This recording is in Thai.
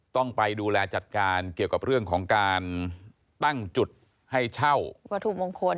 ต้องไปดูแลจัดการเกี่ยวกับเรื่องของการตั้งจุดให้เช่าวัตถุมงคล